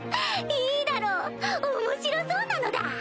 いいだろう面白そうなのだ！